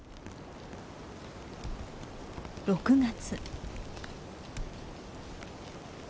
６月。